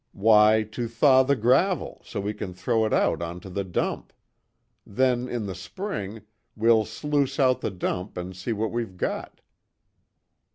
"Why, to thaw the gravel so we can throw it out onto the dump. Then in the spring, we'll sluice out the dump and see what we've got."